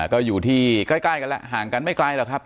ก็อยู่ที่ใกล้กันแล้วห่างกันไม่ไกลหรอกครับ